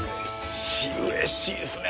うれしいですね